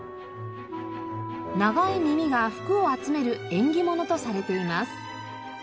長い耳が福を集める縁起物とされています。